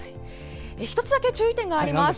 １つだけ注意点があります。